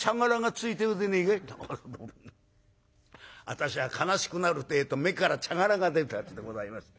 「私は悲しくなるってえと目から茶殻が出るたちでございます」。